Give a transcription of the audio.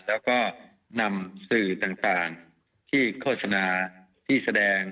แล้วก็นำสื่อต่างที่โฆษณาที่แสดง